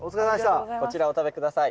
こちらお食べ下さい。